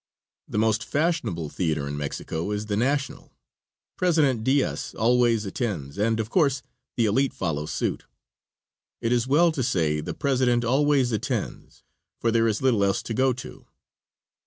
The most fashionable theater in Mexico is the National. President Diaz always attends, and of course the elite follow suit. It is well to say the president always attends, for there is little else to go to.